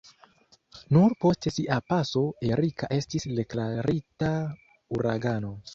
Nur post sia paso Erika estis deklarita uragano.